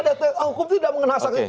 tidak ada hukum itu sudah mengenal saksi